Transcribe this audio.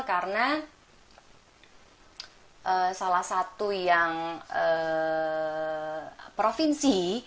karena salah satu provinsi